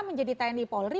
menjadi tni polri